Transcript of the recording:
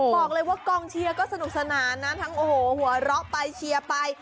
บอกเลยว่ากองเชียร์ก็สนุกสนานนะทั้งโอ้โหหัวเราะไปเชียร์ไป